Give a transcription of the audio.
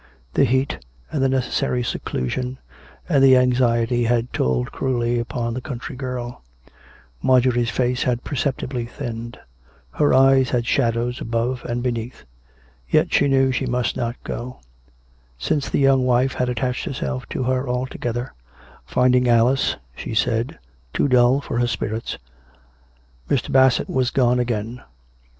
The heat, and the necessary seclusion, and the anxiety had told cruelly upon the country girl; Marjorie's face had percepti bly thinned; her eyes had shadows above and beneath; yet she knew she must not go; since the young wife had attached herself to her altogether, finding Alice (she said) too dull for her spirits. Mr. Bassett was gone again.